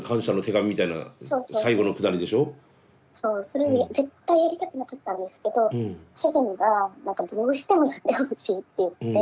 それを絶対やりたくなかったんですけど主人が何か「どうしてもやってほしい」って言って。